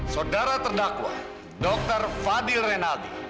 sodara terdakwa dr fadil rinaldi